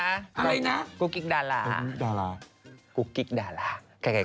อะไรนะกุ๊กกิ๊กดารากุ๊กกิ๊กดารา